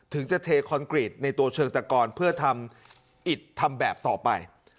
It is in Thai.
ถึงจะเทคอนกรีตในตัวเชิงตะกรเพื่อทำอิดทำแบบต่อไป